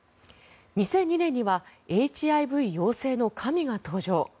２００２年にはＨＩＶ陽性のカミが登場。